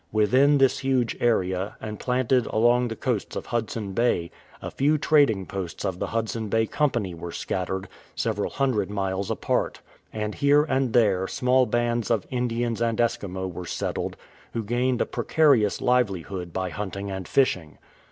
Within this huge area, and planted along the coasts of Hudson Bay, a few trading posts of the Hudson Bay Company were scattered, several hundred miles apart. And here and there small bands of Indians and Eskimo were settled, who gained a precarious livelihood by hunting and fishing.